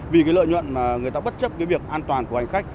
vì cái lợi nhuận mà người ta bất chấp cái việc an toàn của hành khách